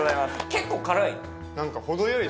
結構辛い？